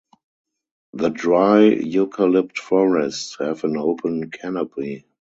The dry eucalypt forests have an open canopy.